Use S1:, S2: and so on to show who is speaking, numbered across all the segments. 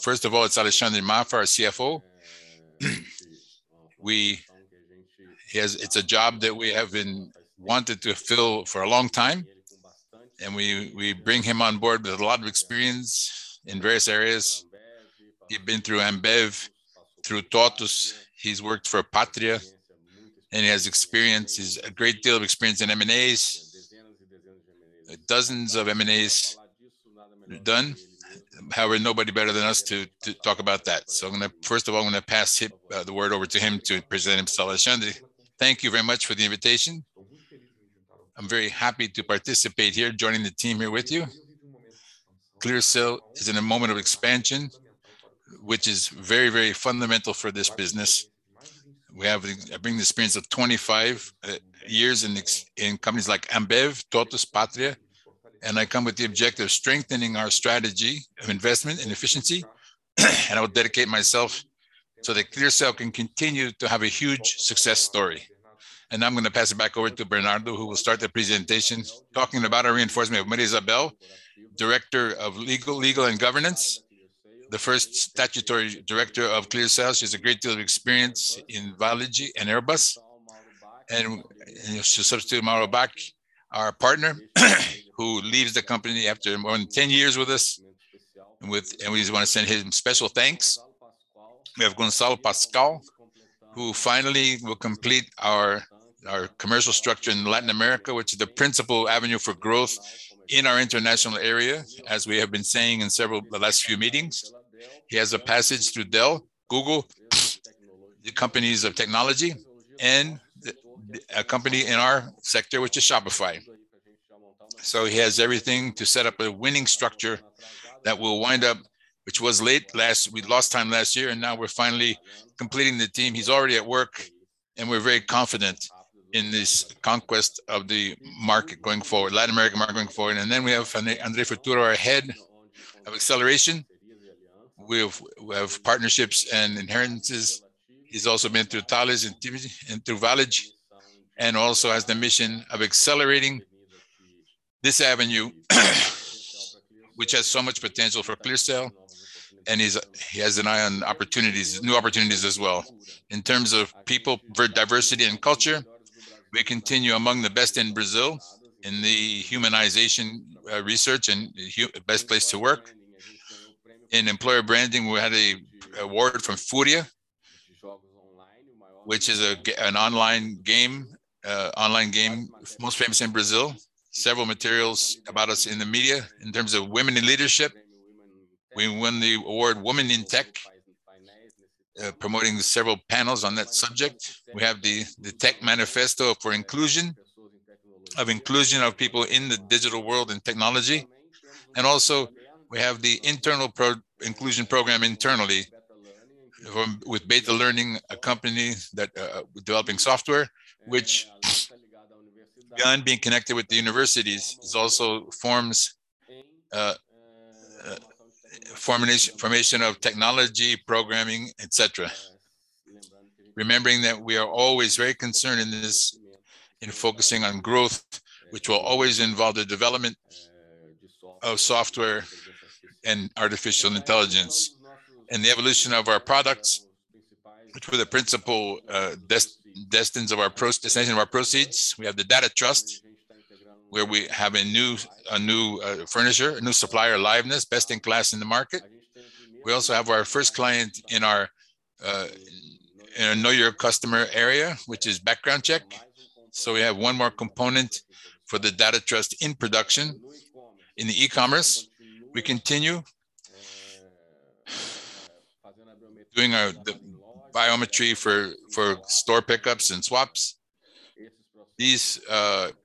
S1: First of all, it's Alexandre Mafra, our CFO. It's a job that we wanted to fill for a long time, and we bring him on board with a lot of experience in various areas. He'd been through Ambev, through TOTVS. He's worked for Patria, and he has experience. He has a great deal of experience in M&As. Dozens of M&As done. However, nobody better than us to talk about that. First of all, I'm gonna pass him the word over to him to present himself. Alexandre.
S2: Thank you very much for the invitation. I'm very happy to participate here, joining the team here with you. ClearSale is in a moment of expansion, which is very, very fundamental for this business. We have. I bring the experience of 25 years in companies like Ambev, TOTVS, Patria, and I come with the objective of strengthening our strategy of investment and efficiency, and I will dedicate myself so that ClearSale can continue to have a huge success story. Now I'm gonna pass it back over to Bernardo, who will start the presentation talking about our reinforcement of Maria Isabel, Director of Legal and Governance.
S1: The first statutory director of ClearSale. She has a great deal of experience in Varig and Airbus, and she'll substitute Mauro Bach, our partner who leaves the company after more than 10 years with us, and we just wanna send him special thanks. We have Gonçalo Pascoal, who finally will complete our commercial structure in Latin America, which is the principal avenue for growth in our international area, as we have been saying in several of the last few meetings. He has a passage through Dell, Google, companies of technology, and a company in our sector, which is Shopify. So he has everything to set up a winning structure. We lost time last year, and now we're finally completing the team. He's already at work, and we're very confident in this conquest of the market going forward, Latin American market going forward. We have André Futuro, our Head of Acceleration. We have partnerships and acquisitions. He's also been through Thales and through Varig, and also has the mission of accelerating this avenue which has so much potential for ClearSale, and he has an eye on opportunities, new opportunities as well. In terms of people diversity and culture, we continue among the best in Brazil in the humanization research and best place to work. In employer branding, we had an award from FURIA, which is an online game online game most famous in Brazil. Several materials about us in the media. In terms of women in leadership, we won the award Women in Tech promoting several panels on that subject. We have the tech manifesto for inclusion of people in the digital world and technology. We have the internal pro-inclusion program internally with Beta Learning, a company that with developing software which beyond being connected with the universities, is also for formation of technology, programming, et cetera. Remembering that we are always very concerned in this, in focusing on growth, which will always involve the development of software and artificial intelligence. In the evolution of our products, which were the principal destination of our proceeds, we have the Data Trust, where we have a new feature, a new supplier, Liveness, best in class in the market. We also have our first client in our know your customer area, which is Background Check. We have one more component for the Data Trust in production. In the e-commerce, we continue doing the biometry for store pickups and swaps. These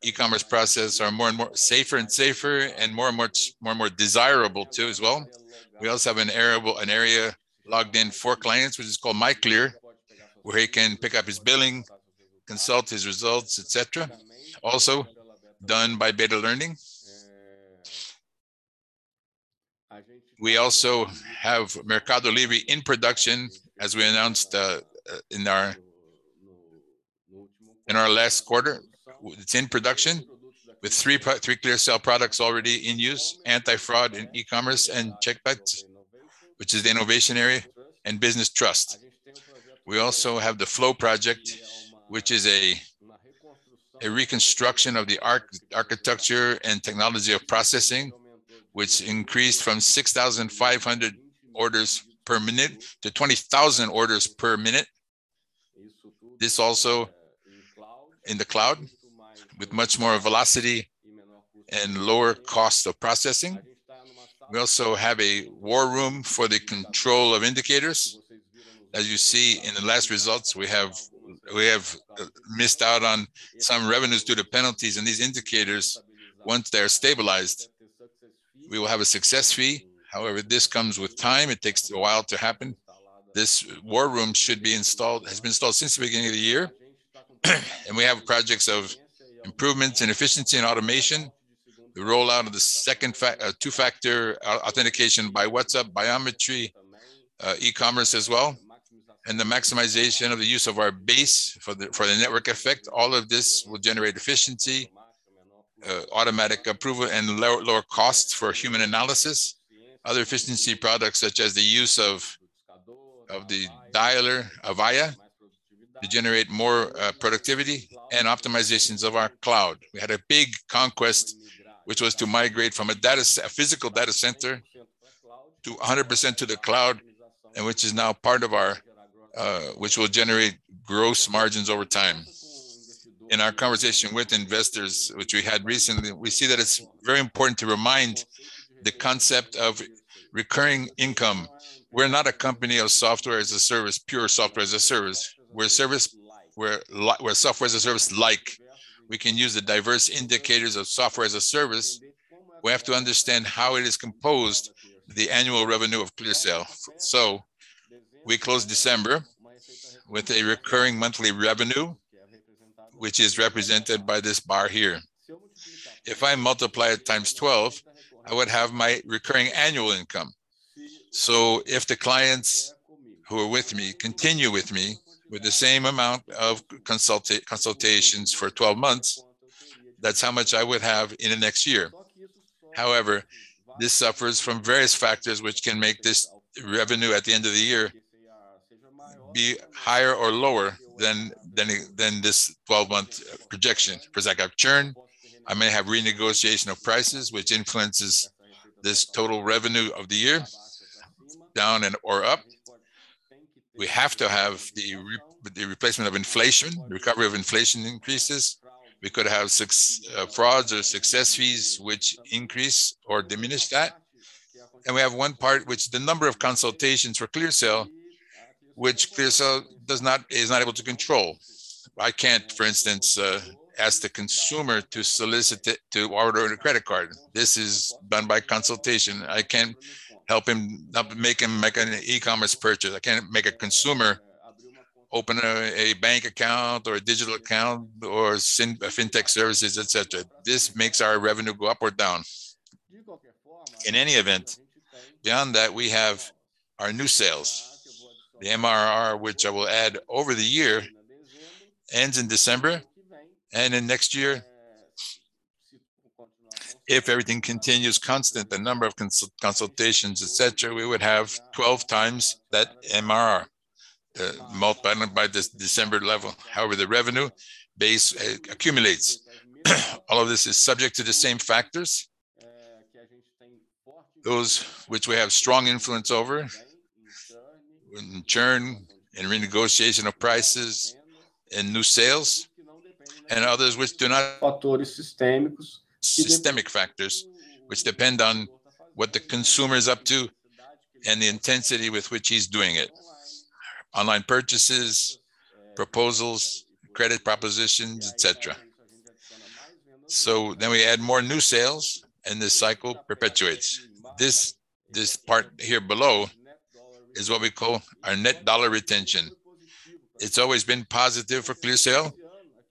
S1: e-commerce processes are more and more safer and more and more desirable too as well. We also have an area logged in for clients, which is called MyClear, where he can pick up his billing, consult his results, et cetera. Also done by Beta Learning. We also have Mercado Libre in production, as we announced in our last quarter. It's in production with three ClearSale products already in use: anti-fraud in e-commerce and Checkout, which is the innovation area, and Business Trust. We also have the Flow project, which is a reconstruction of the architecture and technology of processing, which increased from 6,500 orders per minute to 20,000 orders per minute. This also in the cloud with much more velocity and lower cost of processing. We also have a war room for the control of indicators. As you see in the last results, we have missed out on some revenues due to penalties, and these indicators, once they are stabilized, we will have a success fee. However, this comes with time. It takes a while to happen. This war room has been installed since the beginning of the year. We have projects of improvements in efficiency and automation. The rollout of the two-factor authentication by WhatsApp, biometrics, e-commerce as well, and the maximization of the use of our base for the network effect. All of this will generate efficiency, automatic approval and lower costs for human analysis. Other efficiency products such as the use of the dialer Avaya to generate more productivity and optimizations of our cloud. We had a big conquest which was to migrate from a physical data center to 100% to the cloud, and which is now part of our which will generate gross margins over time. In our conversation with investors, which we had recently, we see that it's very important to remind the concept of recurring income. We're not a company of software as a service, pure software as a service. We're a service where software as a service like. We can use the diverse indicators of software as a service. We have to understand how it is composed, the annual revenue of ClearSale. We closed December with a recurring monthly revenue, which is represented by this bar here. If I multiply it x12, I would have my recurring annual income. If the clients who are with me continue with me with the same amount of consultations for 12 months, that's how much I would have in the next year. However, this suffers from various factors which can make this revenue at the end of the year be higher or lower than this 12-month projection. For as I've churned, I may have renegotiation of prices which influences this total revenue of the year down and/or up. We have to have the replacement of inflation, recovery of inflation increases. We could have such frauds or success fees which increase or diminish that. We have one part which is the number of consultations for ClearSale, which ClearSale is not able to control. I can't, for instance, ask the consumer to solicit it to order a credit card. This is done by consultation. I can't help him make an e-commerce purchase. I can't make a consumer open a bank account or a digital account or a fintech services, et cetera. This makes our revenue go up or down. In any event, beyond that we have our new sales, the MRR which I will add over the year, ends in December and in next year if everything continues constant, the number of consultations, et cetera, we would have 12x that MRR, multiplied by this December level. However, the revenue base accumulates. All of this is subject to the same factors, those which we have strong influence over in churn and renegotiation of prices and new sales, and others. Systemic factors which depend on what the consumer is up to and the intensity with which he's doing it. Online purchases, proposals, credit propositions, et cetera. We add more new sales, and this cycle perpetuates. This part here below is what we call our Net Dollar Retention. It's always been positive for ClearSale,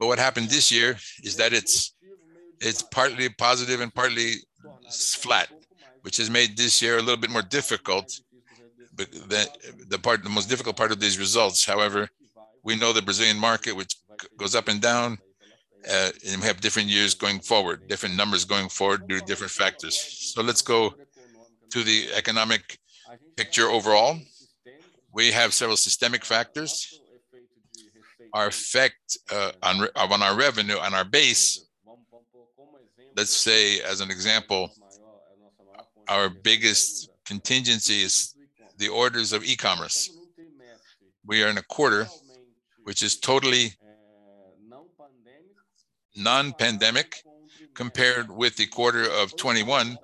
S1: but what happened this year is that it's partly positive and partly flat, which has made this year a little bit more difficult than the most difficult part of these results. However, we know the Brazilian market which goes up and down, and we have different years going forward, different numbers going forward due to different factors. Let's go to the economic picture overall. We have several systemic factors. Our effect on our revenue and our base, let's say as an example, our biggest contingency is the order volume of e-commerce. We are in a quarter which is totally non-pandemic compared with the quarter of 2021,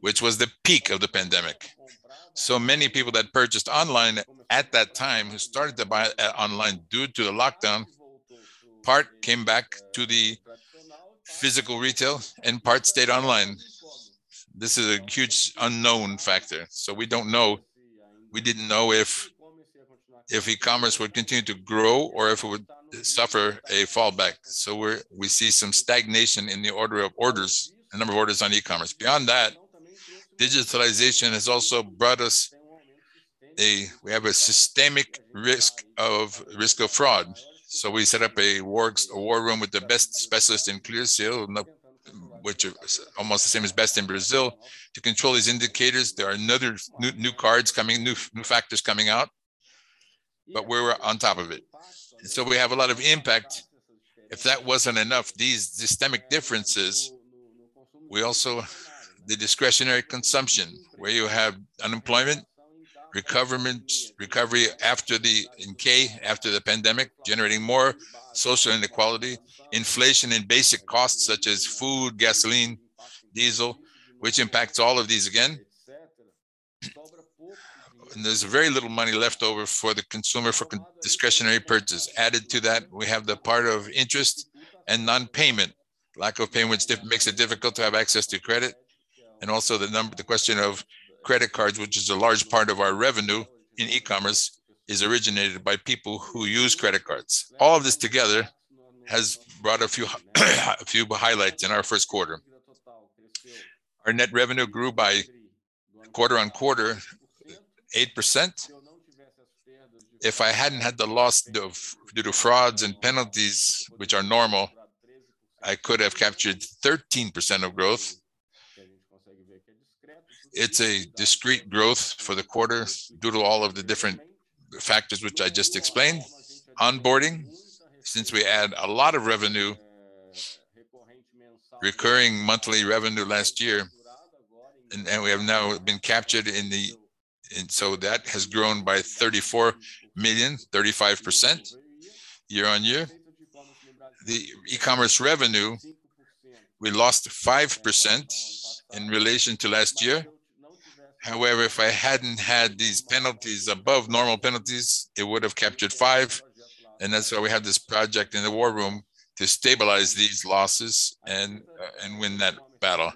S1: which was the peak of the pandemic. Many people that purchased online at that time who started to buy online due to the lockdown, part came back to the physical retail and part stayed online. This is a huge unknown factor. We didn't know if e-commerce would continue to grow or if it would suffer a pullback. We see some stagnation in the order volume, the number of orders on e-commerce. Beyond that, digitalization has also brought us a systemic risk of fraud. We set up a war room with the best specialists in ClearSale, which are almost the same as best in Brazil to control these indicators. There are other new cards coming, new factors coming out, but we're on top of it. We have a lot of impact. If that wasn't enough, these systemic differences. The discretionary consumption where you have unemployment, recovery after the pandemic, generating more social inequality, inflation in basic costs such as food, gasoline, diesel, which impacts all of these again. There's very little money left over for the consumer for discretionary purchase. Added to that, we have the part of interest and non-payment. Lack of payments makes it difficult to have access to credit and also the question of credit cards, which is a large part of our revenue in e-commerce, is originated by people who use credit cards. All of this together has brought a few highlights in our first quarter. Our net revenue grew quarter-over-quarter 8%. If I hadn't had the loss due to frauds and penalties, which are normal, I could have captured 13% of growth. It's a discrete growth for the quarter due to all of the different factors which I just explained. Onboarding, since we add a lot of revenue, recurring monthly revenue last year, and we have now been captured and so that has grown by 34 million, 35% year-over-year. The e-commerce revenue, we lost 5% in relation to last year. However, if I hadn't had these penalties above normal penalties, it would have captured 5, and that's why we have this project in the war room to stabilize these losses and win that battle.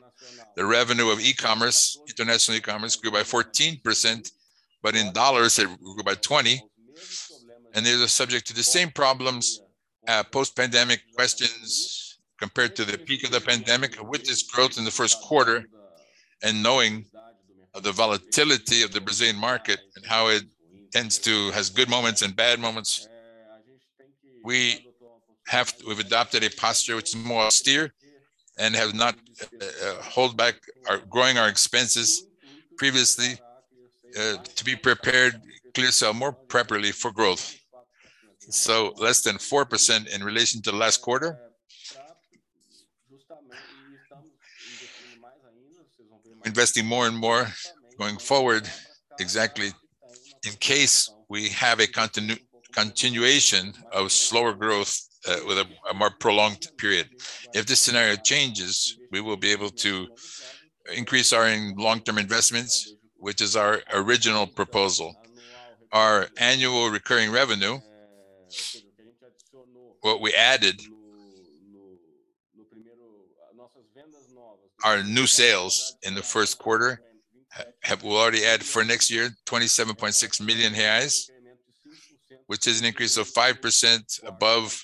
S1: The revenue of e-commerce, international e-commerce grew by 14%, but in dollars it grew by 20%. These are subject to the same problems, post-pandemic questions compared to the peak of the pandemic. With this growth in the first quarter, and knowing the volatility of the Brazilian market and how it has good moments and bad moments, we've adopted a posture which is more austere and have not hold back our growing our expenses previously, to be prepared ClearSale more properly for growth. Less than 4% in relation to last quarter. Investing more and more going forward exactly in case we have a continuation of slower growth, with a more prolonged period. If this scenario changes, we will be able to increase our long-term investments, which is our original proposal. Our annual recurring revenue, what we added, our new sales in the first quarter—we already had for next year 27.6 million reais, which is an increase of 5% above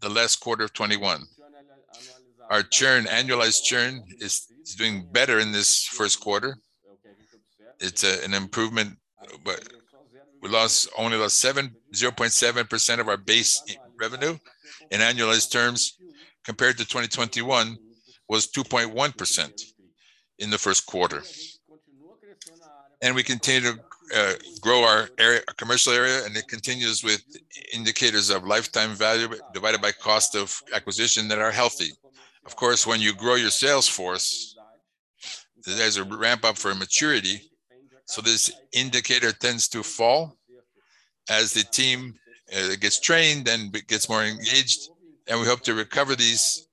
S1: the last quarter of 2021. Our churn, annualized churn is doing better in this Q1. It's an improvement, but we only lost 0.7% of our base revenue. In annualized terms, compared to 2021 was 2.1% in the Q1. We continue to grow our commercial area, and it continues with indicators of lifetime value divided by cost of acquisition that are healthy. Of course, when you grow your sales force, there's a ramp-up for maturity, so this indicator tends to fall as the team gets trained and gets more engaged, and we hope to recover these,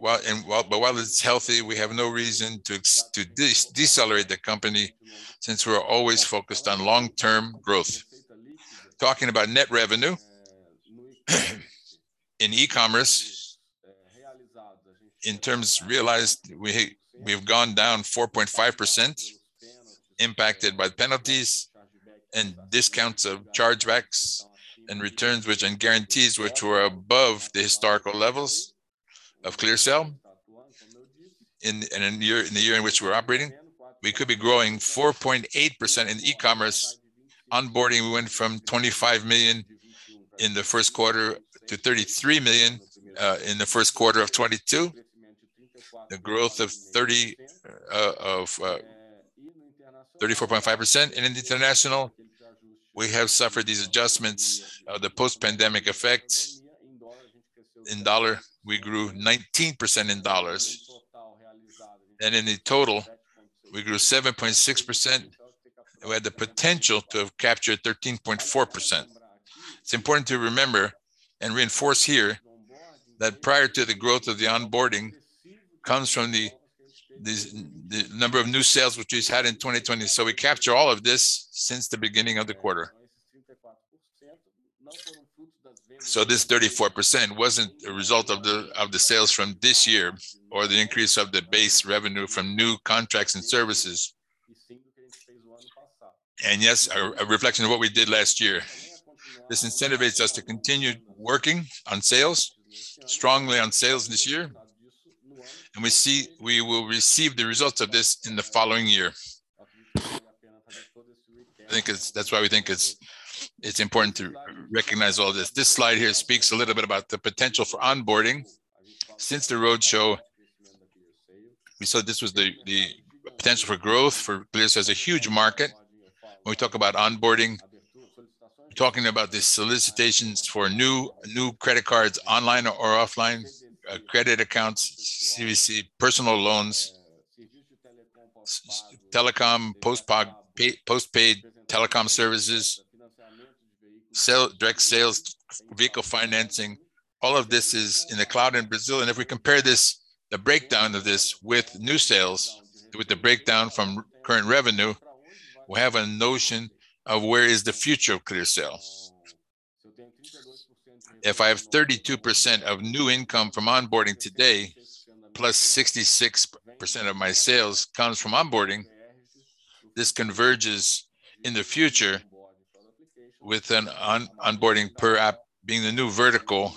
S1: but while it's healthy, we have no reason to decelerate the company since we're always focused on long-term growth. Talking about net revenue, in e-commerce, in realized terms, we've gone down 4.5% impacted by penalties and discounts of chargebacks and returns, and guarantees, which were above the historical levels of ClearSale in the year in which we're operating. We could be growing 4.8% in e-commerce. Onboarding, we went from 25 million in the Q1 to 33 million in the Q1 of 2022. The growth of 34.5%. In international we have suffered these adjustments of the post-pandemic effects. In dollars, we grew 19% in dollars. In the total, we grew 7.6%. We had the potential to have captured 13.4%. It's important to remember and reinforce here that the growth of the onboarding comes from the number of new sales which we just had in 2020. We capture all of this since the beginning of the quarter. This 34% wasn't a result of the sales from this year or the increase of the base revenue from new contracts and services. Yes, a reflection of what we did last year. This incentivizes us to continue working on sales strongly on sales this year. We see we will receive the results of this in the following year. I think it's. That's why we think it's important to recognize all this. This slide here speaks a little bit about the potential for onboarding. Since the roadshow, we saw this was the potential for growth for ClearSale is a huge market. When we talk about onboarding, we're talking about the solicitations for new credit cards online or offline, credit accounts, CVC, personal loans, telecom postpaid telecom services, direct sales, vehicle financing. All of this is in the cloud in Brazil, and if we compare this, the breakdown of this with new sales, with the breakdown from current revenue, we have a notion of where is the future of ClearSale. If I have 32% of new income from onboarding today, plus 66% of my sales comes from onboarding, this converges in the future with an onboarding per app being the new vertical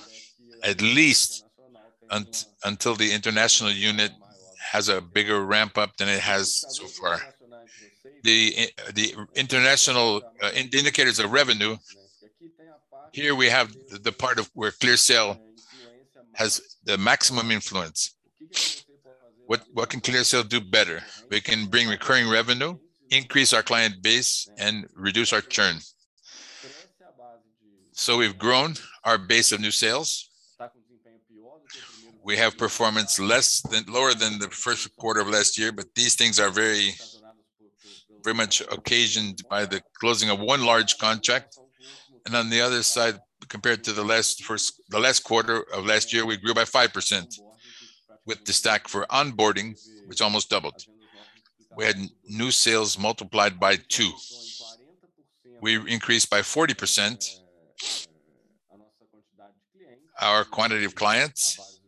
S1: at least until the international unit has a bigger ramp up than it has so far. The international, the indicators of revenue, here we have the part of where ClearSale has the maximum influence. What can ClearSale do better? We can bring recurring revenue, increase our client base, and reduce our churn. We've grown our base of new sales. We have performance less than... lower than the first quarter of last year, but these things are very, very much occasioned by the closing of one large contract. On the other side, compared to the last quarter of last year, we grew by 5% with the stack for onboarding, which almost doubled. We had new sales multiplied by 2. We increased by 40% our quantity of clients.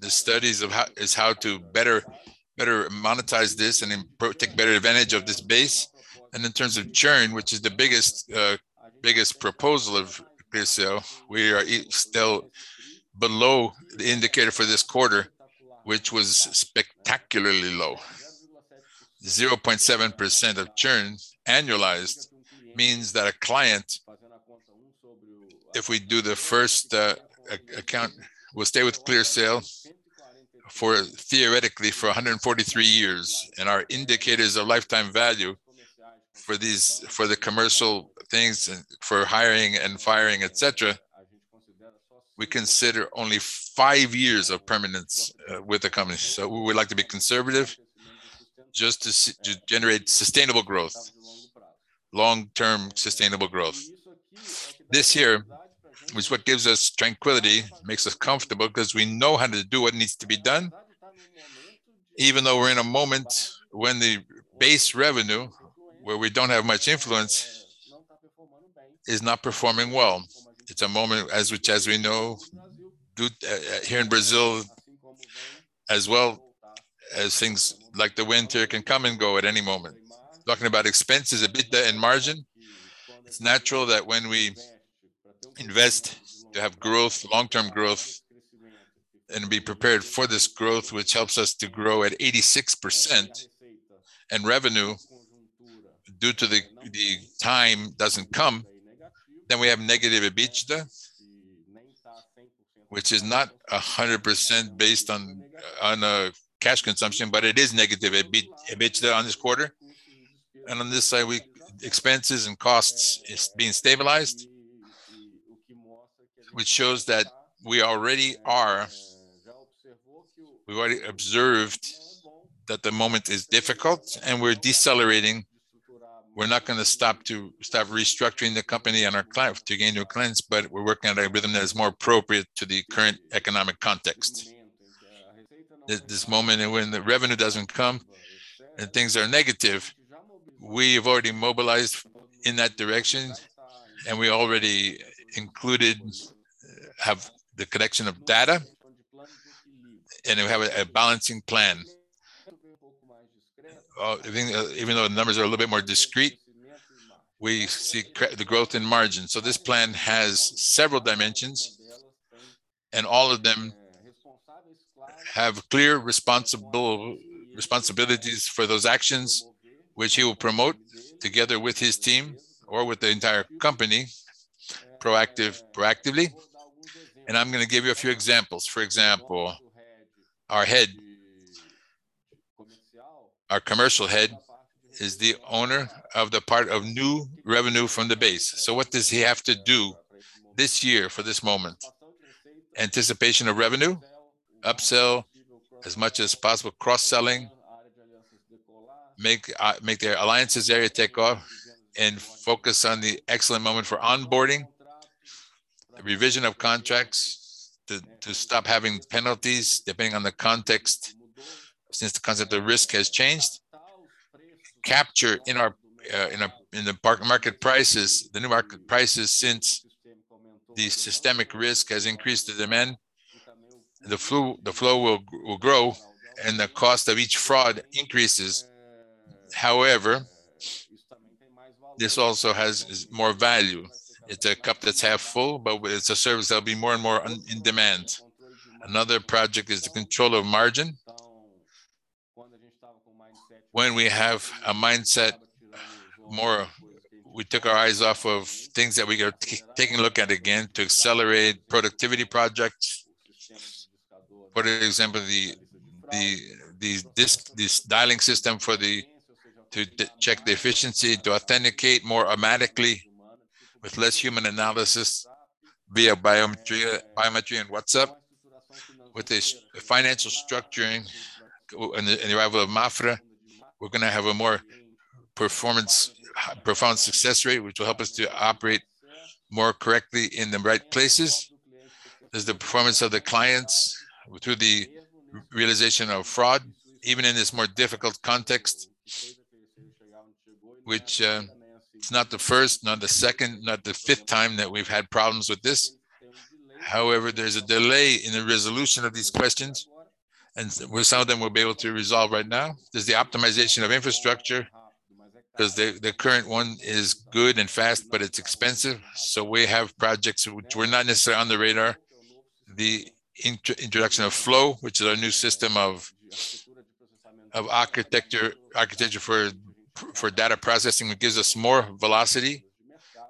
S1: The studies of how is how to better monetize this and take better advantage of this base. In terms of churn, which is the biggest proposal of ClearSale, we are still below the indicator for this quarter, which was spectacularly low. 0.7% of churn annualized means that a client, if we do the first account, will stay with ClearSale for theoretically for 143 years. Our indicators of lifetime value for these, for the commercial things, for hiring and firing, et cetera, we consider only five years of permanence with the company. We would like to be conservative just to generate sustainable growth, long-term sustainable growth. This here is what gives us tranquility, makes us comfortable because we know how to do what needs to be done, even though we're in a moment when the base revenue where we don't have much influence is not performing well. It's a moment in which, as we know, here in Brazil as well as things like the winter can come and go at any moment. Talking about expenses, EBITDA and margin, it's natural that when we invest to have growth, long-term growth, and be prepared for this growth, which helps us to grow at 86% and revenue due to the time doesn't come, then we have negative EBITDA, which is not 100% based on cash consumption, but it is negative EBITDA on this quarter. On this side, expenses and costs is being stabilized, which shows that we already are. We've already observed that the moment is difficult and we're decelerating. We're not gonna stop to start restructuring the company to gain new clients, but we're working on a rhythm that is more appropriate to the current economic context. At this moment and when the revenue doesn't come and things are negative, we've already mobilized in that direction, and we already included have the collection of data, and we have a balancing plan. Even though the numbers are a little bit more discreet, we see the growth in margin. This plan has several dimensions, and all of them have clear responsibilities for those actions which he will promote together with his team or with the entire company proactively. I'm gonna give you a few examples. For example, our head, our commercial head is the owner of the part of new revenue from the base. What does he have to do this year for this moment? Anticipation of revenue, upsell as much as possible cross-selling, make the alliances area take off and focus on the excellent moment for onboarding, the revision of contracts to stop having penalties depending on the context since the concept of risk has changed. Capture in our in the market prices, the new market prices since the systemic risk has increased the demand. The Flow will grow and the cost of each fraud increases. However, this also has more value. It's a cup that's half full, but it's a service that'll be more and more in demand. Another project is the control of margin. When we have a mindset more. We took our eyes off of things that we are taking a look at again to accelerate productivity projects. For example, this dialing system to check the efficiency, to authenticate more automatically with less human analysis via biometrics and WhatsApp. With this financial structuring and the arrival of Mafra, we're gonna have a more performance, profound success rate, which will help us to operate more correctly in the right places as the performance of the clients through the realization of fraud, even in this more difficult context which, it's not the first, not the second, not the fifth time that we've had problems with this. However, there's a delay in the resolution of these questions, and some of them we'll be able to resolve right now. There's the optimization of infrastructure. Because the current one is good and fast, but it's expensive. We have projects which were not necessarily on the radar. The introduction of Flow, which is our new system of architecture for data processing that gives us more velocity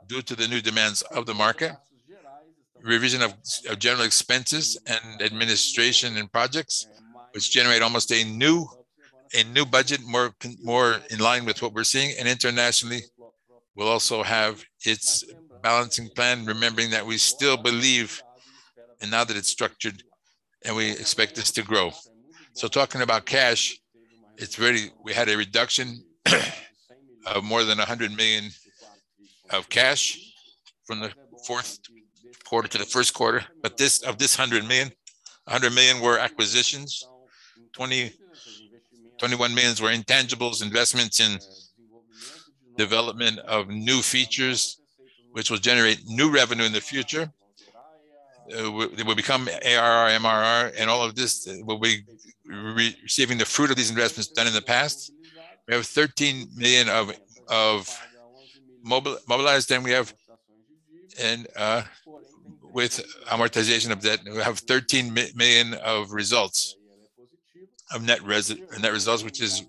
S1: due to the new demands of the market. Revision of general expenses and administration and projects, which generate almost a new budget more in line with what we're seeing. Internationally, we'll also have its balancing plan, remembering that we still believe, and now that it's structured, and we expect this to grow. Talking about cash, we had a reduction of more than 100 million of cash from the fourth quarter to the first quarter. Of this 100 million, 100 million were acquisitions. 21 million were intangibles, investments in development of new features which will generate new revenue in the future. That will become ARR, MRR, and all of this will be receiving the fruit of these investments done in the past. We have 13 million of mobilized, and with amortization of debt, we have 13 million of net results,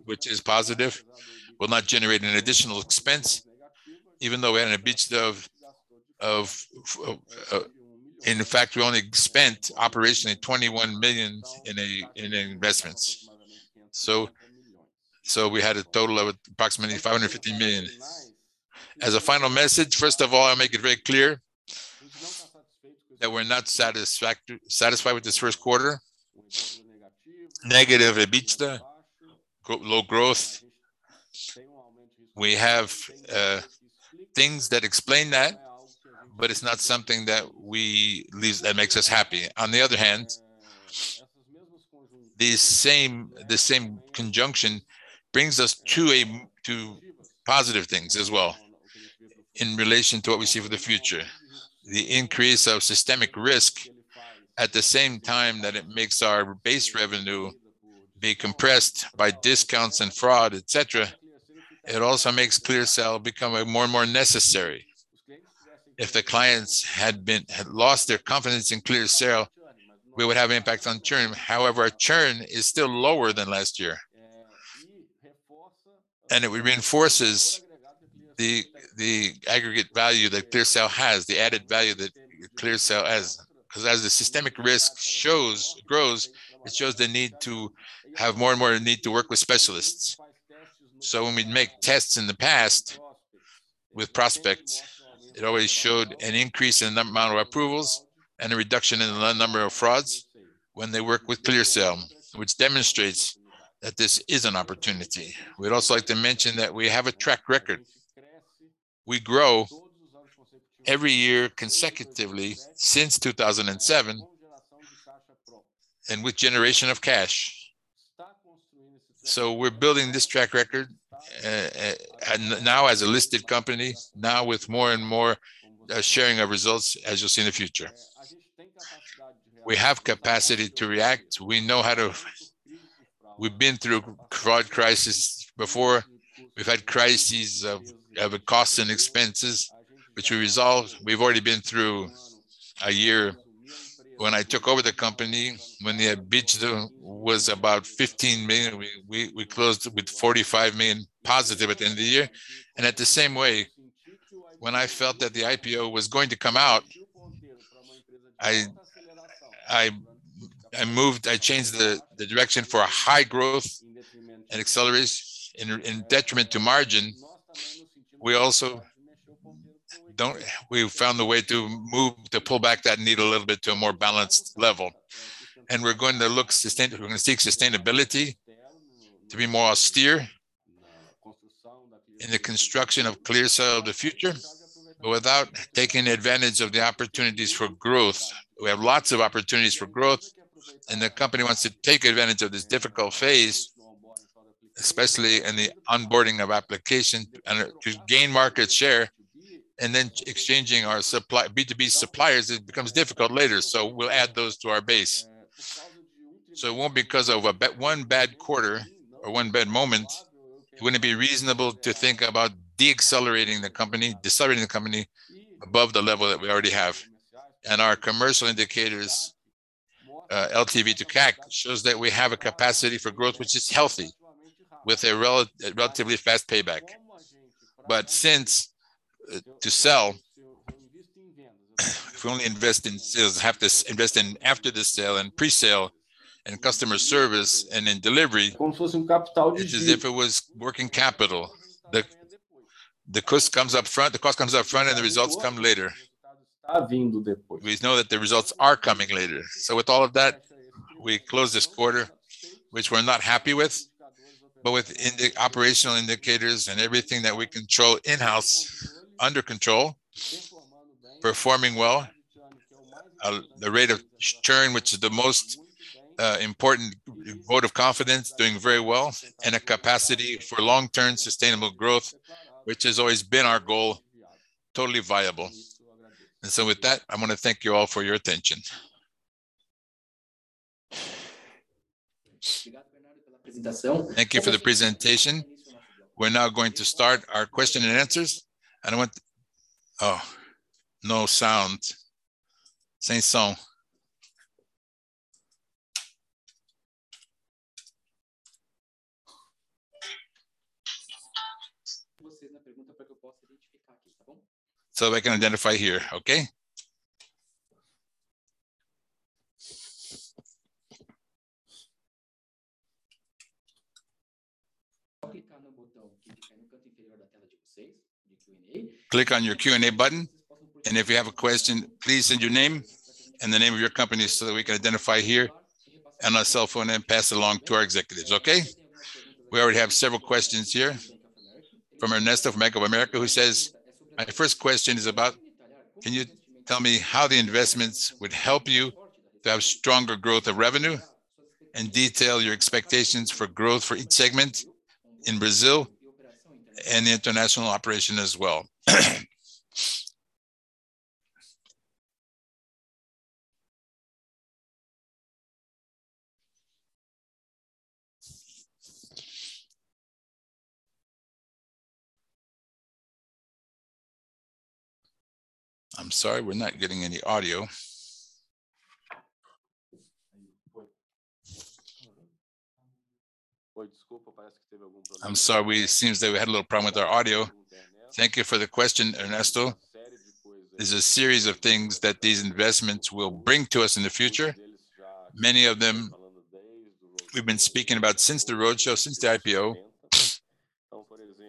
S1: which is positive. It will not generate an additional expense, even though we had an EBITDA of. In fact, we only spent operationally 21 million in investments. We had a total of approximately 550 million. As a final message, first of all, I make it very clear that we're not satisfied with this first quarter. Negative EBITDA, low growth. We have things that explain that, but it's not something that makes us happy. On the other hand, this same conjunction brings us to positive things as well in relation to what we see for the future. The increase of systemic risk, at the same time that it makes our base revenue be compressed by discounts and fraud, et cetera, it also makes ClearSale become more and more necessary. If the clients had lost their confidence in ClearSale, we would have impact on churn. However, our churn is still lower than last year. It reinforces the aggregate value that ClearSale has, the added value that ClearSale has. Because as the systemic risk grows, it shows the need to have more and more need to work with specialists. When we'd make tests in the past with prospects, it always showed an increase in the amount of approvals and a reduction in the number of frauds when they work with ClearSale, which demonstrates that this is an opportunity. We'd also like to mention that we have a track record. We grow every year consecutively since 2007, and with generation of cash. We're building this track record, and now as a listed company, now with more and more sharing of results as you'll see in the future. We have capacity to react. We know how to. We've been through crisis before. We've had crises of costs and expenses, which we resolved. We've already been through a year when I took over the company, when the EBITDA was about 15 million, we closed with 45 million positive at the end of the year. At the same way, when I felt that the IPO was going to come out, I changed the direction for a high growth and acceleration in detriment to margin. We found a way to pull back that needle a little bit to a more balanced level. We're going to seek sustainability, to be more austere in the construction of ClearSale of the future without taking advantage of the opportunities for growth. We have lots of opportunities for growth, and the company wants to take advantage of this difficult phase, especially in the onboarding of application and to gain market share, and then B2B suppliers, it becomes difficult later. We'll add those to our base. It won't be because of one bad quarter or one bad moment, it wouldn't be reasonable to think about decelerating the company above the level that we already have. Our commercial indicators, LTV to CAC, shows that we have a capacity for growth which is healthy with a relatively fast payback. Since to sell, if we only invest in sales, have to invest in after the sale and pre-sale and customer service and in delivery, it's as if it was working capital. The cost comes up front, and the results come later. We know that the results are coming later. With all of that, we close this quarter, which we're not happy with, but with operational indicators and everything that we control in-house under control, performing well. The rate of churn, which is the most important vote of confidence, doing very well. A capacity for long-term sustainable growth, which has always been our goal, totally viable. With that, I wanna thank you all for your attention.
S3: Thank you for the presentation. We're now going to start our question and answers. Oh, no sound. Same sound. So that I can identify here. Okay? Click on your Q&A button, and if you have a question, please send your name and the name of your company so that we can identify you here and your cell phone and pass along to our executives. Okay? We already have several questions here from Ernesto from Bank of America, who says, "My first question is about can you tell me how the investments would help you to have stronger growth of revenue and detail your expectations for growth for each segment in Brazil and the international operation as well?" I'm sorry, we're not getting any audio. I'm sorry. It seems that we had a little problem with our audio.
S1: Thank you for the question, Ernesto. There's a series of things that these investments will bring to us in the future. Many of them we've been speaking about since the roadshow, since the IPO.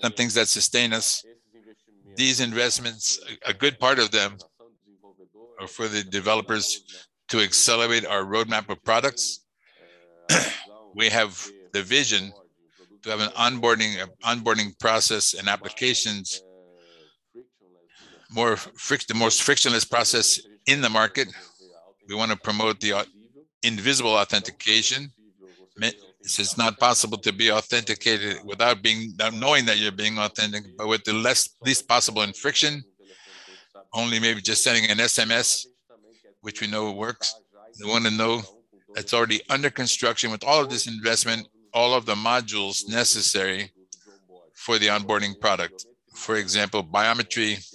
S1: Some things that sustain us. These investments, a good part of them are for the developers to accelerate our roadmap of products. We have the vision to have an onboarding process and applications, the most frictionless process in the market. We wanna promote the invisible authentication. It's just not possible to be authenticated without being noticed, not knowing that you're being authenticated, but with the least possible friction. Only maybe just sending an SMS, which we know works. We want you to know it's already under construction. With all of this investment, all of the modules necessary for the onboarding product, for example, biometrics.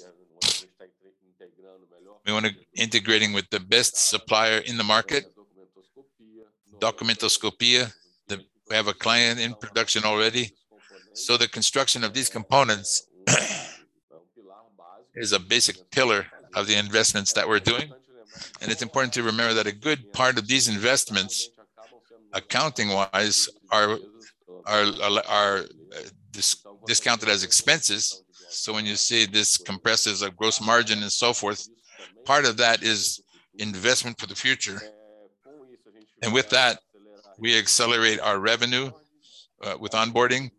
S1: We want to integrate with the best supplier in the market. Documentoscopia, we have a client in production already. The construction of these components is a basic pillar of the investments that we're doing. It's important to remember that a good part of these investments, accounting-wise are discounted as expenses. When you see this compression of a gross margin and so forth, part of that is investment for the future. With that, we accelerate our revenue with onboarding.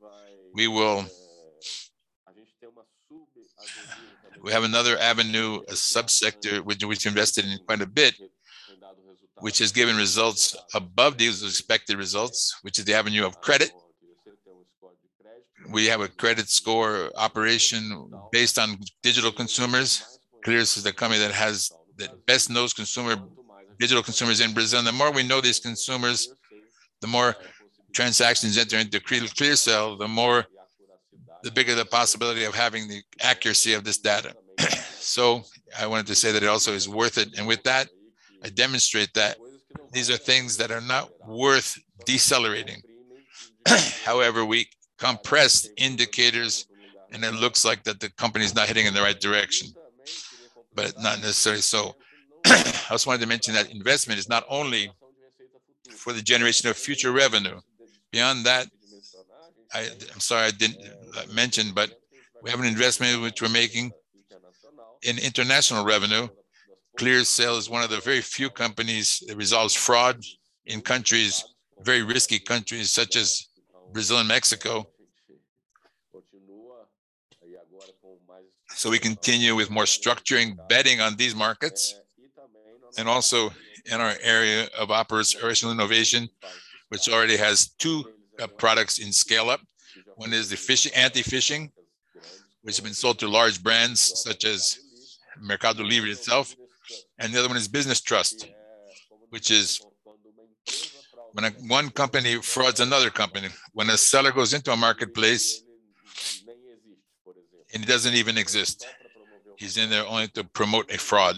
S1: We have another avenue, a subsector which we invested in quite a bit, which has given results above the expected results, which is the avenue of credit. We have a credit score operation based on digital consumers. ClearSale is the company that has the best knowledge of digital consumers in Brazil. The more we know these consumers, the more transactions enter into ClearSale, the bigger the possibility of having the accuracy of this data. I wanted to say that it also is worth it. With that, I demonstrate that these are things that are not worth decelerating. However, we compress indicators, and it looks like that the company is not heading in the right direction, but not necessarily so. I also wanted to mention that investment is not only for the generation of future revenue. Beyond that, I'm sorry I didn't mention, but we have an investment which we're making in international revenue. ClearSale is one of the very few companies that resolves fraud in countries, very risky countries such as Brazil and Mexico. We continue with more structuring, betting on these markets. Also in our area of operational innovation, which already has two products in scale-up. One is the anti-phishing, which has been sold to large brands such as Mercado Libre itself. The other one is Business Trust, which is when one company frauds another company. When a seller goes into a marketplace and he doesn't even exist, he's in there only to promote a fraud.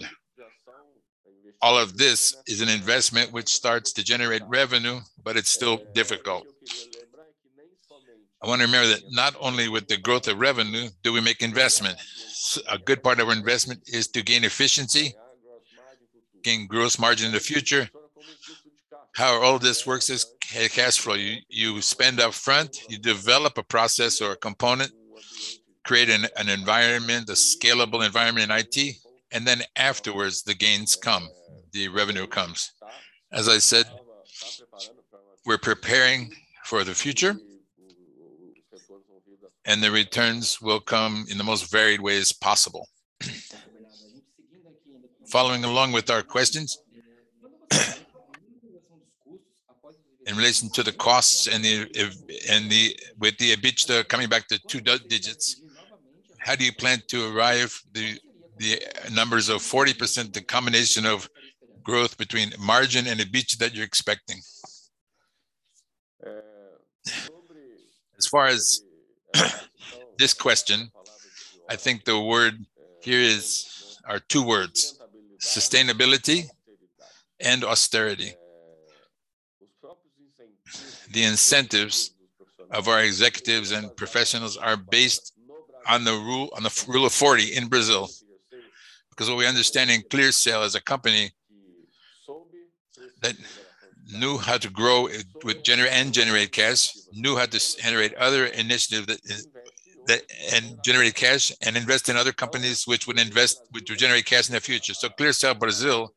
S1: All of this is an investment which starts to generate revenue, but it's still difficult. I want to remember that not only with the growth of revenue do we make investment. A good part of our investment is to gain efficiency, gain gross margin in the future. How all this works is cash flow. You spend up front, you develop a process or a component, create an environment, a scalable environment in IT, and then afterwards the gains come, the revenue comes. As I said, we're preparing for the future, and the returns will come in the most varied ways possible. Following along with our questions, in relation to the costs and with the EBITDA coming back to two digits. How do you plan to arrive at the numbers of 40%, the combination of growth between margin and EBITDA that you're expecting? As far as this question, I think are two words: sustainability and austerity. The incentives of our executives and professionals are based on the Rule of 40 in Brazil, because what we understand in ClearSale as a company that knew how to grow and generate cash, knew how to generate other initiatives that and generate cash and invest in other companies which would generate cash in the future. ClearSale Brazil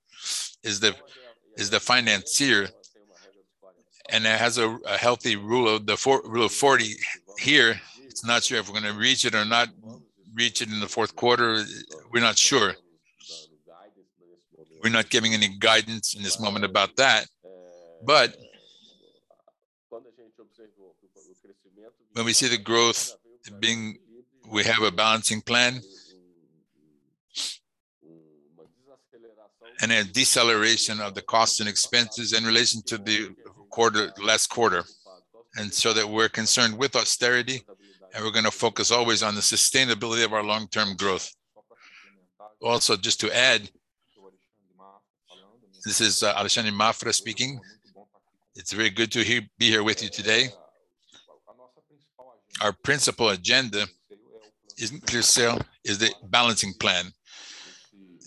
S1: is the financier, and it has a healthy Rule of 40 here. It's not sure if we're gonna reach it or not in the fourth quarter. We're not sure. We're not giving any guidance in this moment about that. When we see the growth, we have a balancing plan, and a deceleration of the costs and expenses in relation to last quarter. We're concerned with austerity, and we're gonna focus always on the sustainability of our long-term growth.
S2: Also, just to add, this is Alexandre Mafra speaking. It's very good to be here with you today. Our principal agenda in ClearSale is the balancing plan.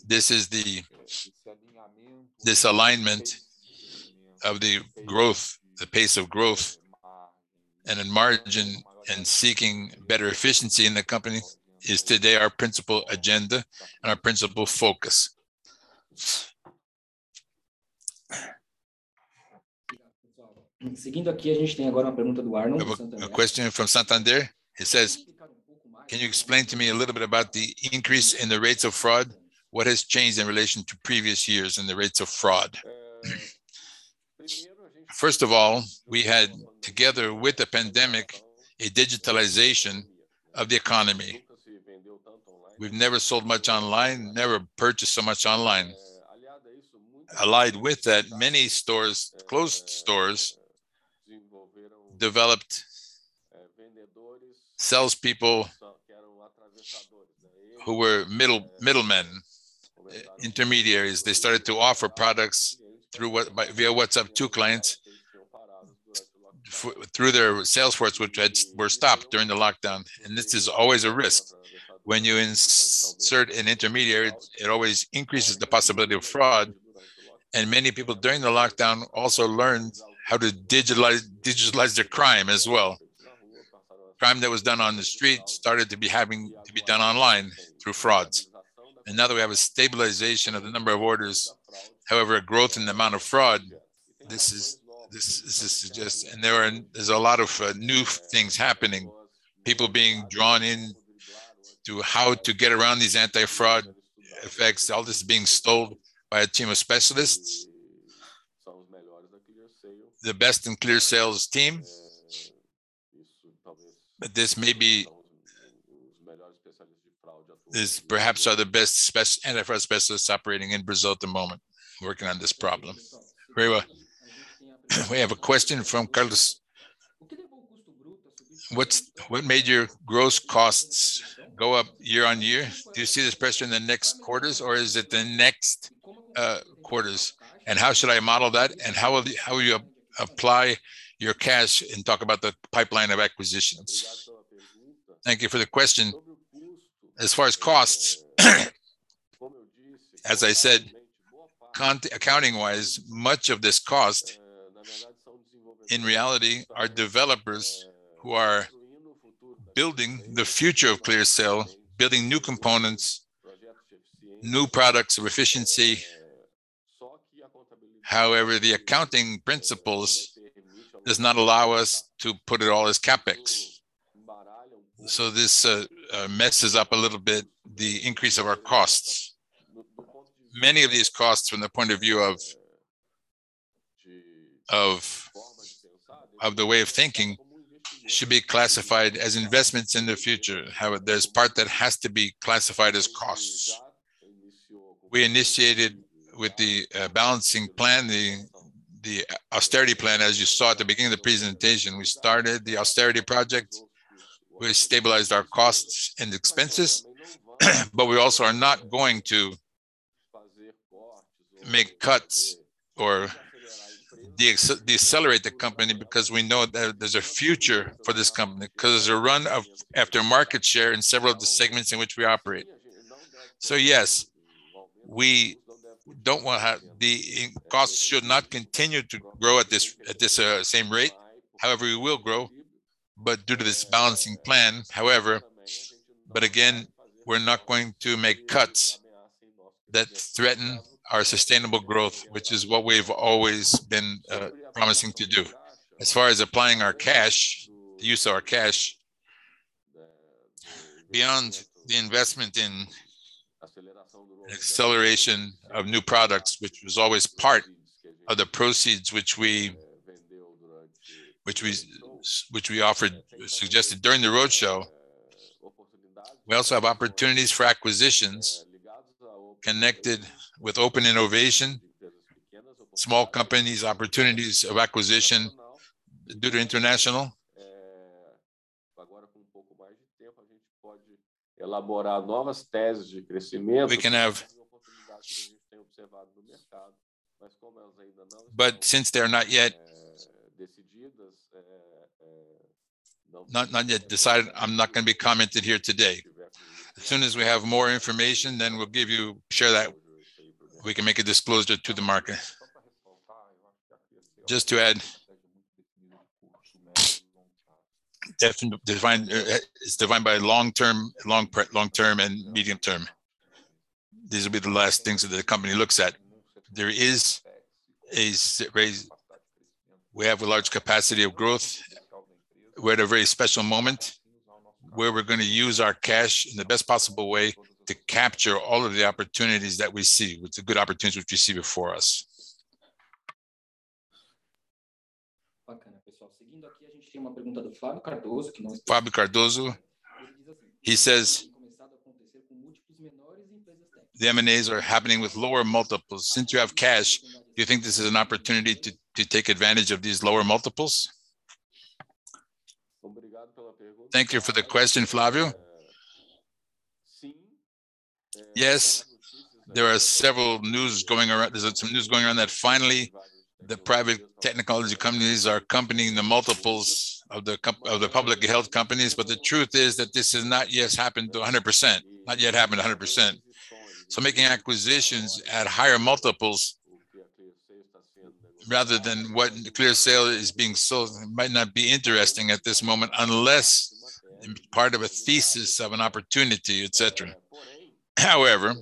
S2: This alignment of the growth, the pace of growth and margin and seeking better efficiency in the company is today our principal agenda and our principal focus.
S3: We have a question from Santander. It says, "Can you explain to me a little bit about the increase in the rates of fraud? What has changed in relation to previous years and the rates of fraud?"
S1: First of all, we had, together with the pandemic, a digitalization of the economy. We've never sold much online, never purchased so much online. Aligned with that, many stores, closed stores developed salespeople who were middlemen, intermediaries. They started to offer products via WhatsApp to clients through their sales force, which were stopped during the lockdown. This is always a risk. When you insert an intermediary, it always increases the possibility of fraud. Many people during the lockdown also learned how to digitalize their crime as well. Crime that was done on the street started to be having to be done online through frauds. Now that we have a stabilization of the number of orders, however, a growth in the amount of fraud, this is just. There are a lot of new things happening, people being drawn in to how to get around these anti-fraud effects, all this is being solved by a team of specialists, the best in ClearSale's teams. This may be these perhaps are the best anti-fraud specialists operating in Brazil at the moment working on this problem. Very well.
S3: We have a question from Carlos. What made your gross costs go up year-over-year? Do you see this pressure in the next quarters, or is it the next quarters? How should I model that? How will you apply your cash and talk about the pipeline of acquisitions?
S1: Thank you for the question. As far as costs, as I said, accounting wise, much of this cost in reality are developers who are building the future of ClearSale, building new components, new products of efficiency. However, the accounting principles does not allow us to put it all as CapEx. This messes up a little bit the increase of our costs. Many of these costs from the point of view of the way of thinking should be classified as investments in the future. There's part that has to be classified as costs. We initiated with the balancing plan, the austerity plan, as you saw at the beginning of the presentation. We started the austerity project. We stabilized our costs and expenses, but we also are not going to make cuts or decelerate the company because we know that there's a future for this company, 'cause there's a run after market share in several of the segments in which we operate. Yes, we don't wanna. The costs should not continue to grow at this same rate. However, we will grow, but due to this balancing plan, however. Again, we're not going to make cuts that threaten our sustainable growth, which is what we've always been promising to do. As far as applying our cash, the use of our cash, beyond the investment in acceleration of new products, which was always part of the proceeds which we offered, suggested during the roadshow. We also have opportunities for acquisitions connected with open innovation, small companies, opportunities of acquisition due to international. We can have. Since they're not yet decided, I'm not gonna be commenting here today. As soon as we have more information, we'll share that. We can make a disclosure to the market. Just to add, defined, it's defined by long-term and medium term. These will be the last things that the company looks at. We have a large capacity of growth. We're at a very special moment where we're gonna use our cash in the best possible way to capture all of the opportunities that we see, with the good opportunities which we see before us.
S3: [inaudible] he says, "The M&As are happening with lower multiples. Since you have cash, do you think this is an opportunity to take advantage of these lower multiples?"
S1: Thank you for the question, Flávio. Yes, there are several news going around, there's some news going around that finally the private technology companies are accompanying the multiples of the public companies, but the truth is that this has not yet happened 100%. Making acquisitions at higher multiples rather than what ClearSale is being sold might not be interesting at this moment unless in part of a thesis of an opportunity, et cetera. However,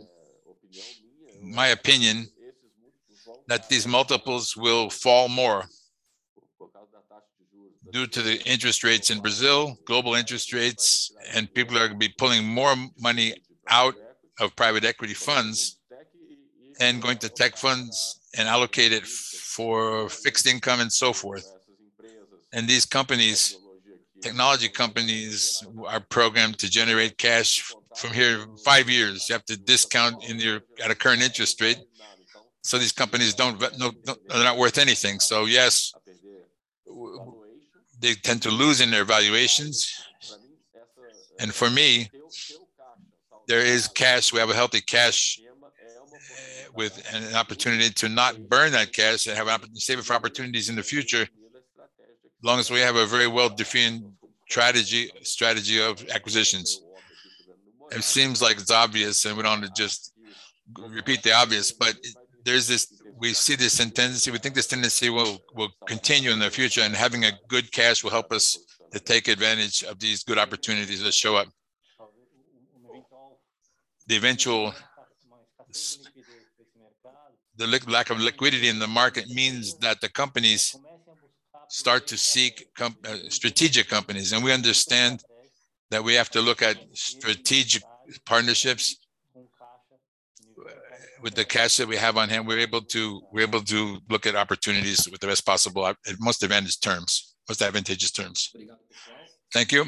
S1: in my opinion, these multiples will fall more due to the interest rates in Brazil, global interest rates, and people are gonna be pulling more money out of private equity funds and going to tech funds and allocate it for fixed income and so forth. These companies, technology companies, are programmed to generate cash from here five years. You have to discount in your, at a current interest rate, so these companies are not worth anything. Yes, they tend to lose in their valuations. For me, there is cash, we have a healthy cash, and an opportunity to not burn that cash and save it for opportunities in the future, as long as we have a very well-defined strategy of acquisitions. It seems like it's obvious, and we don't want to just go repeat the obvious, but there's this, we see this tendency, we think this tendency will continue in the future, and having a good cash will help us to take advantage of these good opportunities that show up. The eventual lack of liquidity in the market means that the companies start to seek strategic companies, and we understand that we have to look at strategic partnerships. With the cash that we have on hand, we're able to look at opportunities with the best possible at most advantaged terms, most advantageous terms. Thank you.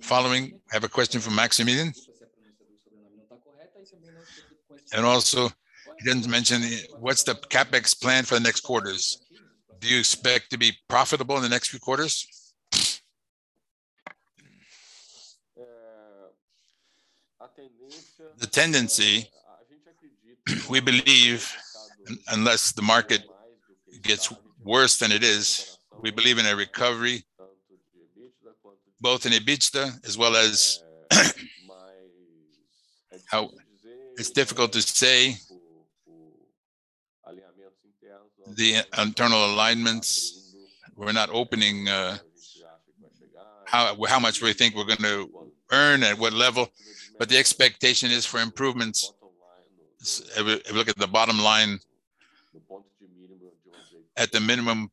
S3: Following, I have a question from Maximilian. He didn't mention what's the CapEx plan for the next quarters? Do you expect to be profitable in the next few quarters?
S1: The tendency, we believe unless the market gets worse than it is, we believe in a recovery both in EBITDA as well as how it's difficult to say the internal alignments. We're not opening how much we think we're gonna earn, at what level, but the expectation is for improvements if we look at the bottom line at the minimum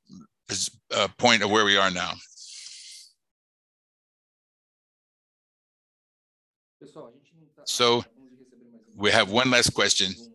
S1: point of where we are now. We have one last question.